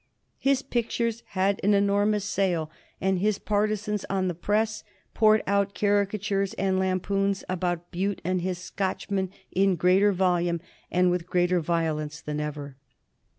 His pictures had an enormous sale, and his partisans on the press poured out caricatures and lampoons upon Bute and his Scotchmen in greater volume and with greater violence than ever.